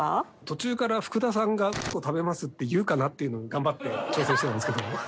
途中から福田さんが○○こ食べますって言うかなっていうのを頑張って挑戦してたんですけど。